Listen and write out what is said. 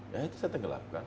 ya itu saya tenggelamkan